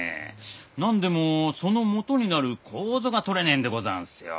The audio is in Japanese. なんでもそのもとになる楮が採れねえんでござんすよ。